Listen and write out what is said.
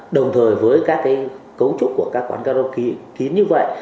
đồng thời với các cấu trúc của các quán karaoke kín như vậy